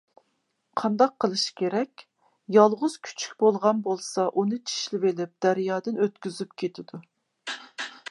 قانداق قىلىش كېرەك؟ يالغۇز كۈچۈك بولغان بولسا ئۇنى چىشلىۋېلىپ دەريادىن ئۆتكۈزۈپ كېتىدۇ.